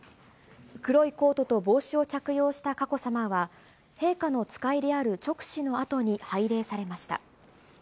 黒いコートと帽子を着用した佳子さまは、陛下の使いである勅使のあとに拝礼されました。